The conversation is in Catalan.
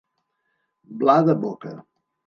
Bla de boca.